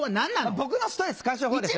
僕のストレス解消法でしょ？